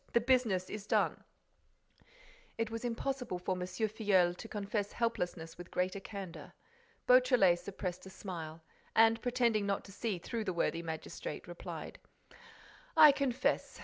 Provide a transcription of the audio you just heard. The business is done'?" It was impossible for M. Filleul to confess helplessness with greater candor. Beautrelet suppressed a smile and, pretending not to see through the worthy magistrate, replied: "I confess.